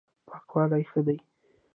پاکوالی ښه دی.